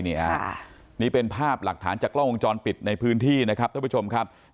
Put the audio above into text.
นี่ฮะนี่เป็นภาพหลักฐานจากกล้องวงจรปิดในพื้นที่นะครับท่านผู้ชมครับ